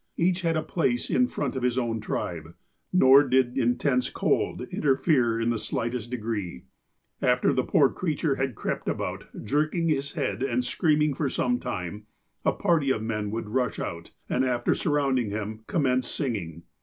Each had a place in front of his own tribe. Nor did intense cold interfere in the slightest degree. After the poor creature had crept about, jerking his head and screaming for some time, a party of men would rush out, and, after surrounding him, commence singing.